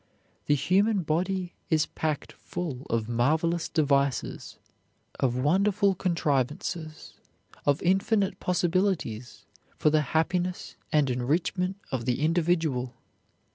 The human body is packed full of marvelous devices, of wonderful contrivances, of infinite possibilities for the happiness and enrichment of the individual.